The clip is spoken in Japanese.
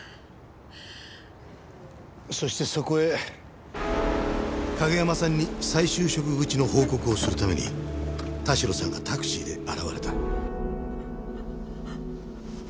そしてそこへ景山さんに再就職口の報告をするために田代さんがタクシーで現れた。